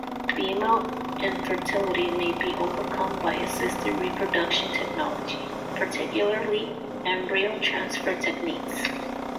Female infertility may be overcome by assisted reproduction technology, particularly embryo transfer techniques.